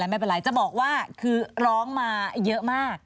ไม่เป็นไรจะบอกว่าคือร้องมาเยอะมาก